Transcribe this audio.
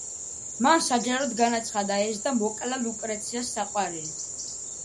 მან საჯაროდ განაცხადა ეს და მოკლა ლუკრეციას საყვარელი.